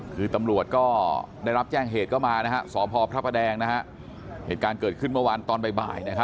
คือตำรวจก็ได้รับแจ้งเหตุก็มาสพพระประแดงเหตุการณ์เกิดขึ้นเมื่อวานตอนบ่าย